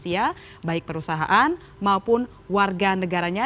tidak rusia baik perusahaan maupun warga negaranya